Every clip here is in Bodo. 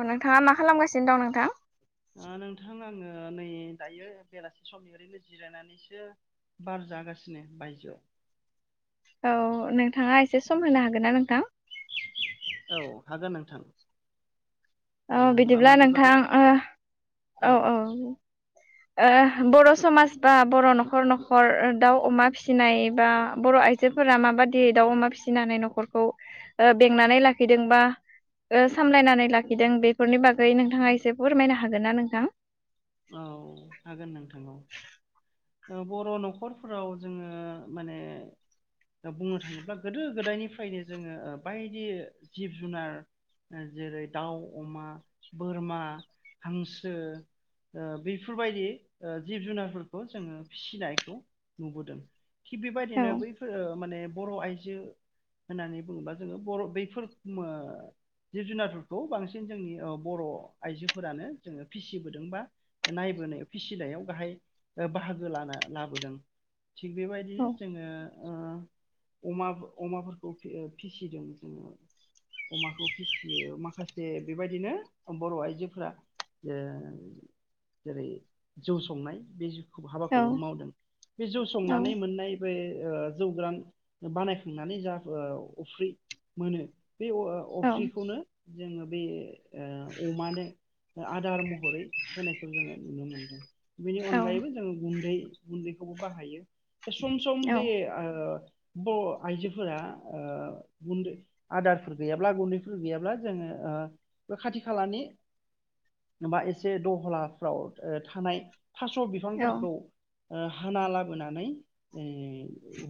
औ नोंथाङा मा खालामगासिनो दं नोंथां? ओ नोंथां आङो नै दायो बेलासि समनिफ्राय ओरैनो जिरायनानैसो बार जागासिनो बायजोआव। औ नोंथाङा एसे सम होनो हागोन ना नोंथां? औ हागोन नोंथां। औ होमबा बिदिब्ला मानि बागै नोंथां ओ औ औ ओ बर' समाज बा बर' न'खर न'खर दाउ अमा फिसिनाय बा बर' आइजोफोरा माबायदि दाउ अमा फिसिनानै न'खरखौ ओ बेंनानै लाखिदोंबा ओ सामलायनानै लाखिदों बेफोरनि बागै नोंथाङा एसे फोरमायनो हागोन ना नोंथां? औ हागोन नोंथां औ। बर' न'खरफोराव जोङो माने दा बुंनो थाङोब्ला गोदो गोदायनिफ्रायनो जोङो बायदि जिब जुनार जेरै दाउ अमा बोरमा हांसो ओ बेफोरबायदि ओ जिब जुनारफोरखौ जोङो फिसिनायखौ नुबोदों। थिग औ बेबायदिनो बैफोर ओ माने बर' आइजो होननानै बुङोबा जोङो बर' बैफोर मो जिब जुनारखौ बांसिन जोंनि बर' आइजोफोरानो जोङो फिसिबोदों बा नायबोनायाव फिसिनायाव गाहाय बाहागो लाना लाबोदों। थिग औ बेबायदिनो जोङो ओ [inaudible] अमा अमाफोरखौ फिसिदों जोङो। अमाखौ फिसियो माखासे बेबायदिनो बर' आइजोफोरा ओ जेरै जौ संनाय बे औ हाबाखौ मावदों बे जौ औ संनानै मोननाय बे ओ जौ गोरान बानायखांनानै जा अफ्रि मोनो। बे ओ औ अफ्रिखौनो जोङो बे ओ अमानो आदार महरै होनायखौ जोङो नुनो मोनदों। बेनि अनगायैबो जोङो गुन्दै गुन्दैखौबो बाहायो बे सम सम औ बे ओ ब' आइजोफोरा ओ गुन्दो आदारफोर गैयाब्ला गुन्दैफोर गैयाब्ला जोङो ओ बे खाथि खालानि बा एसे दह हलाफ्राव ओ थानाय थास' बिफांफोरखौ। ओ हाना लाबोनानै ओ।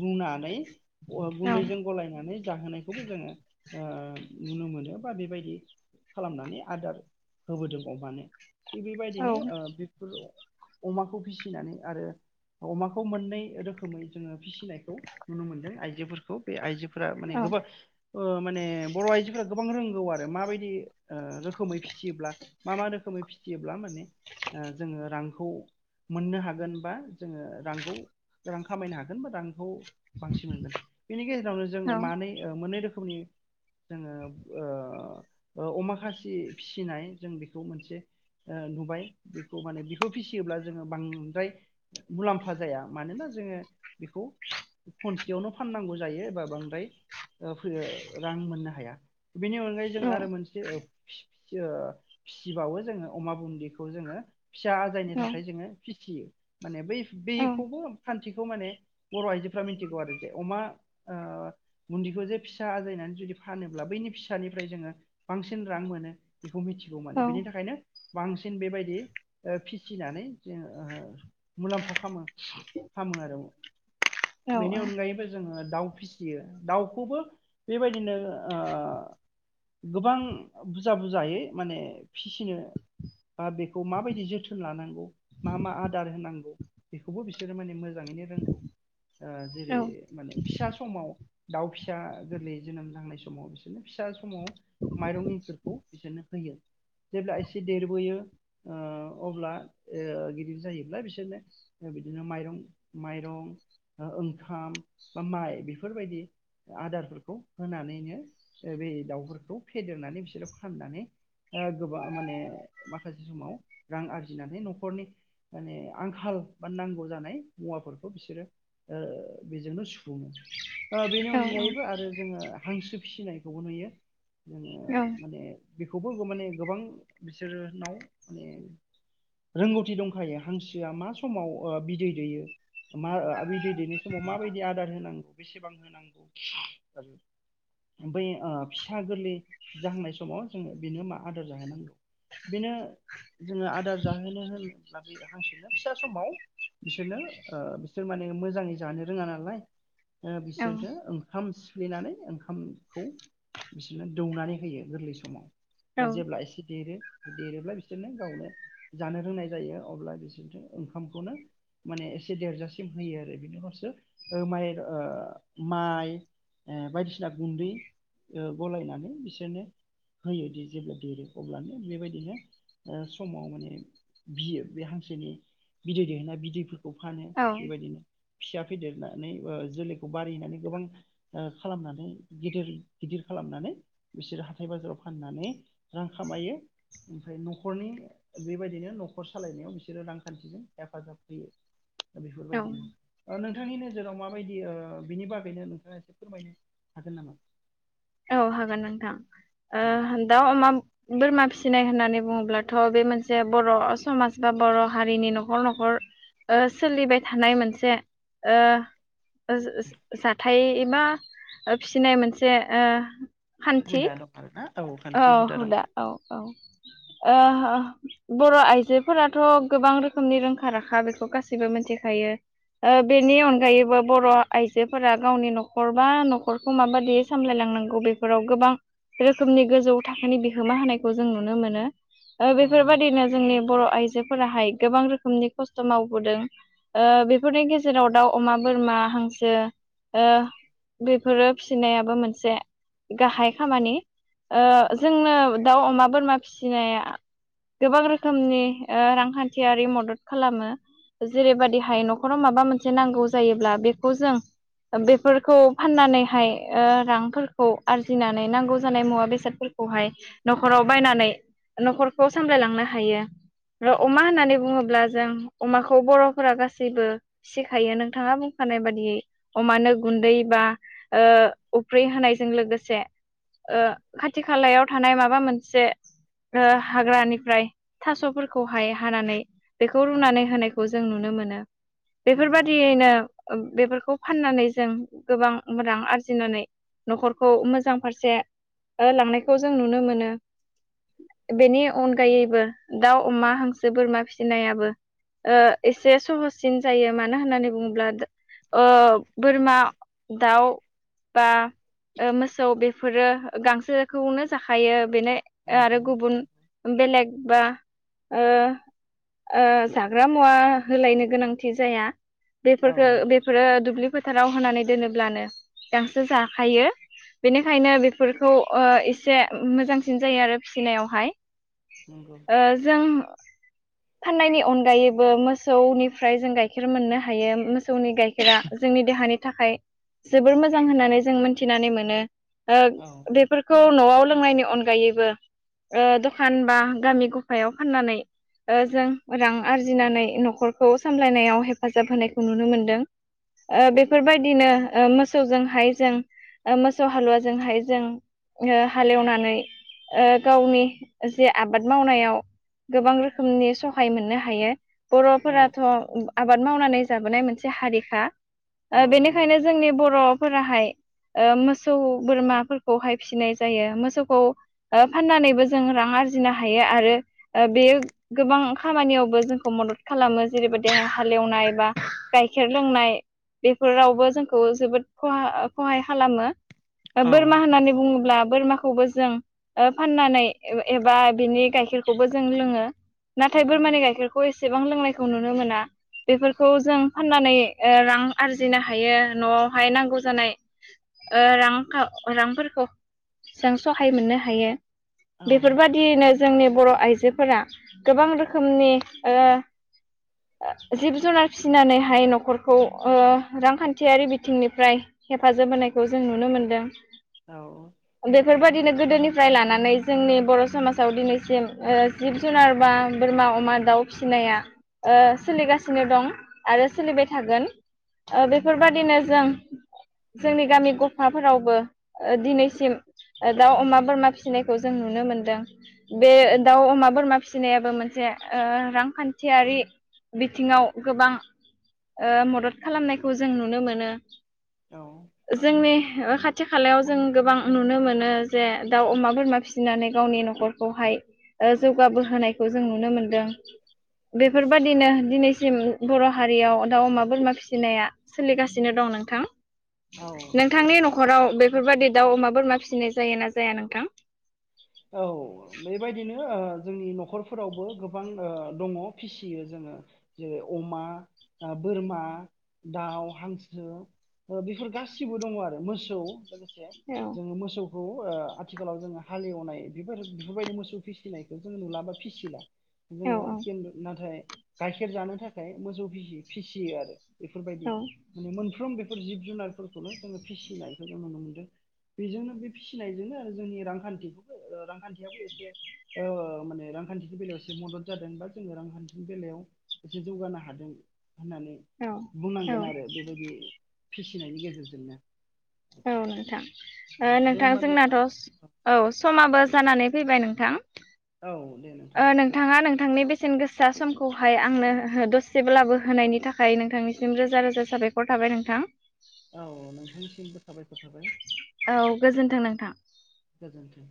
रुनानै औ गुन्दैजों गलायनानै जाहोनायखौबो जोङो ओ नुनो मोनो बा बेबाय दि खालामनानै आदार होबोदों अमानो। थिग बेबायदिनो ओ बेफोर अमाखौ फिसिनानै आरो। अमाखौ मोननै रोखोमै जोङो फिसिनायखौ नुनो मोनदों आइजोफोरखौ बे आइजो फोरा औ माने गोबा ओ माने बर' आइजोफोरा गोब बां रोंगौ आरो माबायदि ओ रोखोमै फिसियोब्ला मा मा रोखोमै फिसियोब्ला माने। ओ जोङो रांखौ। मोननो हागोन बा जोङो रांखौ रां खामायनो हागोन बा रांखौ बांसिन मोनगोन बेनि गेजेरावनो औ जोङो मानै ओ मोननै रोखोमनि। जोङो ओ-ओ अमा खासि फिसिनाय जों बेखौ मोनसे। ओ नुबाय बेखौ माने बेखौ फिसियोब्ला जोङो बांद्राय मुलाम्फा जाया मानोना जों। ङो बेखौ। खनसेयावनो फाननांगौ जायो एबा बांद्राय फैयो रां मोननो हाया। बेनि अनगायै औ जों आरो मोनसे ओ फिसिबावो जोङो। अमा बुन्ददिखौ जोङो फिसा आजायनि थाखाय जोङो फिसियो माने बै बेखौबो फा [unintelligible] माने बर' आइजोफ्रा मिथिगौ आरो जे अमा ओ बुन्दिखौ जे फिसा आजायनानै जुदि फानोब्ला बैनि फिसानिफ्राय जोङो बांसिन रां मोनो बेखौ मिथिगौ माने बेनि थाखायनो। बांसिन बेबायदि ओ फिसिनानै जोङो ओ मुलाम्फा खामो। खामो आरो औ। औ बेनि अनगायैबो जोङो। दाउ फिसियो दाउखौबो बेबायदिनो ओ गोबां बुजा बुजायै माने फिसिनो। बा बेखौ माबायदि जोथोन लानांगौ मा मा आदार होनांगौ। बेखौबो बिसोरो माने मोजाङैनो रोंगौ ओ औ जेरै- माने फिसा समाव। दाउ फिसा गोरलै जोनोम जाहांनाय समाव बिसोरनो फिसा समाव माइरं इंखुरखौ बिसोरनो होयो जेब्ला एसे देरबोयो ओ अब्ला ओ गिदिर जायोब्ला बिसोरनो बिदिनो माइरं माइरं ओ-ओंखाम बा माइ बेफोरबायदि। आदारफोरखौ होनानैनो बे दाउफोरखौ फेदेरनानै बिसोरो फाननानै। ओ गोबा माने माखासे समाव रां आरजिनानै न'खरनि। माने आंखाल बा नांगौ जानाय मुवाफोरखौ बिसोरो ओ बेजोंनो सु फुङो ओ बेनि औ अनगायैबो आरो जोंङो हांसो फिनायखौबो नुयो। जोङो औ माने बिखौबो माने गोबां बिसोरनाव माने रोंगौथि दंखायो हांसोआ मा समाव ओ बिदै दैयो। मा ओ बिदै दैेनो समाव माबायदि आदार होनांगौ बिसिबां होनांगौ आरो बै ओ फिसा गोरलै जाहांनाय समाव जोङो बेनो मा आदार जाहोनांगौ। बेनो जोङो आदार जाहोनो होननानै हांसोनो फिसा समाव बिसोरनो ओ बिसोर माने मोजाङै जानो रोङा नालाय। ओ औ बिसोरनो ओंखाम सिफ फ्लेनानै ओंखामखौ बिसोरनो दौनानै होयो गोरलै समाव। ओमफाय जेब्ला एसे देरो देरोब्ला बिसोरनो गावनो जानो रोंनाय जायो अब्ला बिसोरनो ओंखामखौनो। माने एसे देरजासिम होयो आरो बेनि हसो माइ ओ माइ ओ बायदिसिना गुन्दै ओ गलायनानै बिसोरनो होयोदि जेब्ला देरो अब्लानो बेबायदिनो ओ समाव माने बियो बे हांसोनि बिदै दैहोना बिदैफोरखौ फानो औ बेबायदिनो फिसा फेदेरनानै ओ जोलैखौ बारिहनानै गोबां ओ खालामनानै गिदिर गिदिर खालाम खालामनानै बिसोरो हाथाय बाजाराव फाननानै रां खामायो। ओमफाय न'खरनि बेबायदिनो न'खर सालायनायाव बिसोरो रांखान्थिजों हेफाजाब होयो। औ बेफोरबायदिनो ओ नों थांनि नोजोराव माबायदि ओ बिनि बागैनो नोंथाङा एसे फोरमायनो हागोन नामा? औ हागोन नोंथां औ ओ दाउ अमा बोरमा फिसिनाय होननानै बुंङोब्लाथ' बे मोनसे बर' समाज बा बर' हारिनि न'खर न'खर ओ सोलिबाय थानाय मोनसे ओ ओज ओज जाथाय मा फिसिनाय मोनसे ओ खान्थि [unintelligible] औ हुदा औ औ ओ ओ बर' आइजोफोराथ' गोबां रोखोमनि रोंखा राखा बेखौ गासैबो मिथिखायो। ओ बेनि अनगायैबो बर' आइजोफोरा गावनि न'खर बा न'खरखौ माबायदि सामलायना नांगौ बेफोराव गोबां रो खोमनि गोजौ थाखोनि बिहोमा होनायखौ जों नुनो मोनो ओ औ बेफोरबायदिनो जोंनि बर' आइजोफोराहाय गोबां रोखोमनि खस्थ' मावबोदों ओ बेफोरनि गेजेराव दाउ अमा बोरमा बा हांसो ओ बेफोरो फिसिनायाबो मोनसे गाहाय खामानि। ओ जोंनो दाउ अमा बोरमा फिसिनाया गोबां रोखोमनि ओ रांखान्थियारि मदद खालामो। जेरैबादिहाय न'खराव माबा मोनसे नांगौ जायोब्ला बेखौ जों बेफोरखौ फाननानैहाय ओ रांफोरखौ आरजिनानै नांगौ जानाय मुवा बेसादफोरखौहाय न'खराव बायनानै न'खरखौ सामलायलांनो हायो। र' अमा होननानै बुंङोब्ला जों अमाखौ बर'फोरा गासैबो फिसिखायो नोंथाङा बुंखानाय बादियै अमानो गुन्दै बा बा ओ उफ्रि होनायजों लोगोसे ओ खाथि खालायाव थानाय माबा मोनसे ओ हाग्रानिफ्राय थास'फोरखौहाय हानानै बेखौ औ रुनानै होनायखौ जों नुनो मोनो नंगौ बेफोरबायादियैनो बेफोरखौ फाननानै जों गोबां रां आरजिनानै न'खरखौ मोजां फारसे ओ लांनायखौ जों नुनो मोनो। बेनि अनगायैबो दाउ, अमा, हांसो, बोरमा फिनायाबो एसे सहससिन जायो मानो होननानै बुङोब्ला ओ बोरमा दाउ बा मोसौ बेफोरो गांसोखौनो जाखायो बेनो औ आरो गुबुन बेलेग बा ओ ओ जाग्रा मुवा होलायनो गोनांथि जाया। औ बेफोरखौ बेफोरो दुब्लिफोर फोथाराव होनानै दोनोब्लानो गांसो जाखायो बेनिखायनो बेफोरफोरखौ एसे मोजांसिन जायो आरो फिसिनायावहाय नंगौ ओ जों फाननायनि अनगायैबो मोसौनिफ्राय जों गाइखेर मोननो हायो। मोसौनि गाइखेरा जोंनि देहानि थाखाय जोबोर मोजां होननानै जों मोनथिनानै मोनो। औ बेफोरखौ न'आव लोंनायनि अनगायैबो ओ द'खान बा गामि गफायाव फाननानै जों रां आरजिनानै न'खरखौ सामलायनायाव हेफाजाब होनायखौ नुनो मोनदों। बेफोरबायदिनो मोसौजोंहाय जों मोसौ हालुवाजोंहाय जों जों हालेवनानै गावनि जे आबाद मावनायाव गोबां रोखोमनि सहाय मोननो हायो। औ बर'फोराथ' आबाद मावनानै जाबोनाय मोनसे हारिखा औ नंगौ बेनिखायनो जोंनि बर'फोराहाय मोसौ बोरमा फोरखौहाय फिसिनाय जायो मोसौखौ फाननानैबो जों रां आरजिनो हायो आरो बे गोबां खामानियावबो जोंखौ मदद खालामो जेरैबायदिहाय हालेवनाय बा गाइखेर लोंनाय बेफोरावबो जोंखौ जोबोद खहा- खहाय खालामो। औ बोरमा होननानै बुङोब्ला बोरमाखौबो जों फाननानै एबा बिनि गाइखेरखौबो जों लोङो नाथाय बोरमानि गाइखेरखौ एसेबां लोंनायखौ नुनो मोना। बेफोरखौ जों फाननानै रां आरजिनो हायो न'आवहाय नांगौ जानाय ओ रां रांफोरखौ जों सहाय मोननो हायो बेफोरबायदियैनो- जोंनि बर' आइजोफोरा गोबां रोखोमनि जिब जुनार फिसिनानैहाय न'खरखौ रांखान्थियारि बिथिंनिफ्राय हेफाजाब होनायखौ जों नुनो औ नंगौ मोनदों बेफोरबायदिनो गोदोनि निफ्राय लानानै जोंनि बर' समाजाव दिनैसिम जिब जुनार बा बोरमा अमा दाउ फिसिनाय सोलिगासिनो दं आरो सोलिबाय थागोन। औ बेफोरबायदिनो जों जोंनि गामि गफाफोरावबो दिनैसिम दाउ अमा बोरमा फिसिनायखौ जों नुनो मोनदों। बे दाउ अमा बोरमा फिसिनाया मोनसे रांखान्थियारि बिथिङाव गोबां मदद खालामनायखौ जों नुनो मोनो जोंनि खा खाथि खालायाव जों गोबां नुनो मोनो जे दाउ अमा बोरमा फिसिनानै गावनि न'खरखौहाय- जौगाबोहोनायखौ जों नुनो मोनदों। बेफोरबादिनो दिनैसिम बर' हारियाव दाउ अमा बोरमा फिसिनाया सोलिगासिनो दं। नोंथां औ नंगौ नोंथांनि नांगौ न'खराव बेफोरबायदि दाउ अमा बोरमा फिसिनाय जायो ना जाया नोंथां? औ बेबायदिनो जोंनि न'खरफोरावबो गोबां दङ फिसियो जोङो। जेरै अमा बोरमा दाउ हांसो- बेफोर गासिबो दङ आरो मोसौ- औ जोङो मोसौखौ आथिखालाव जोङो हालेवनाय- फोर बेफोरबायदि मोसौ फिसिनायखौ जों नुलाबा फिसिला औ जोङो नाथाय गाइखेर जानो थाखाय मोसौ फिसियो आरो बेफोरबायदि औ माने मोनफ्रोम बे- फोर जिब जुनारफोरखौनो जोङो फिसिनायखौ जों नुनो मोनदों। बेजोंनो बे फिसिनायजोंनो आरो जोंनि रांखान्थिखौ ओ रांखान्थियाबो एसे ओ माने रांखान्थिनि बेलायाव एसे मदद जादों बा जोङो रांखान्थिनि बेलायाव एसे जौगानो हादों। होननानै औ बुंनांगोन औ आरो बेबायदि फिसिनायनि गेजेरजोंनो औ नोंथां ओ नोंथां जोंनाथ' औ समाबो जानानै फैबाय नोंथां। औ दे नोंथां ओ नोंथाङा नोंथांनि बेसेन गोसा समखौहाय आंनो दसेब्लाबो होनायनि थाखाय नोंथांनिसिम रोजा रोजा साबायखर। थाबाय नोंथां। औ नोंथांनिसिमबो थाबायखर थाबाय औ गोजोन्थों नोंथां। गोजोन्थों